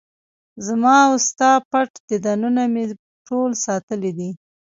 زما وستا پټ دیدنونه مې ټول ساتلي دي